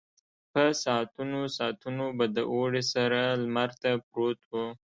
په ساعتونو ساعتونو به د اوړي سره لمر ته پروت و.